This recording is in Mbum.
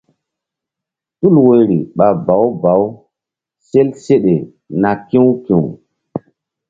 Tul woyri ɓa bawu bawu sel seɗe na ki̧w ki̧w.